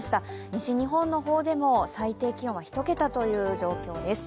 西日本の方でも最低気温は１桁という状況です。